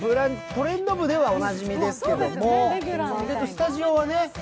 「トレンド部」ではおなじみですけども、スタジオはね